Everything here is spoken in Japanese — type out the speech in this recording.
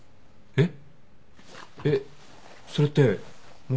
えっ？